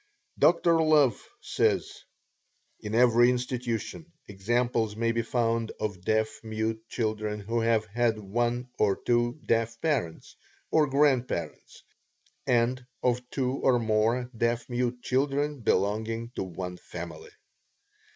Dr. Love says: "In every institution, examples may be found of deaf mute children who have had one or two deaf parents or grandparents, and of two or more deaf mute children belonging to one family."